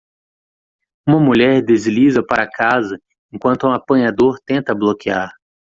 Uma mulher desliza para casa enquanto o apanhador tenta bloquear.